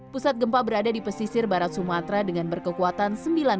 pusat gempa berada di pesisir barat sumatera dengan berkekuatan sembilan